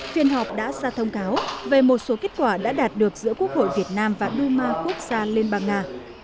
phiên họp đã ra thông cáo về một số kết quả đã đạt được giữa quốc hội việt nam và duma quốc gia liên bang nga